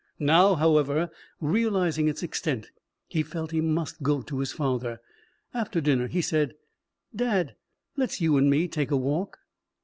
Now, however, realizing its extent, he felt he must go to his father. After dinner he said: "Dad, let's you and me take a walk."